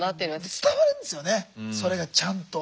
伝わるんですよねそれがちゃんと。